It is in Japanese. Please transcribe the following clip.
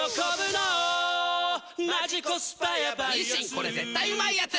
これ絶対うまいやつ」